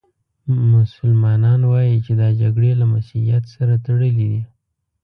مسلمانان وايي چې دا جګړې له مسیحیت سره تړلې دي.